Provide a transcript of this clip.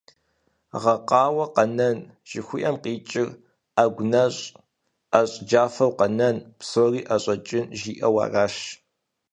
«Гъэкъауэ къэнэн» жыхуиӏэм къикӏыр Ӏэгу нэщӀ ӀэщӀ джафэу къэнэн, псори ӀэщӀэкӀын жиӏэу аращ.